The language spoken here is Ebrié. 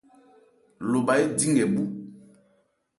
Lobha édi nkɛ bhú.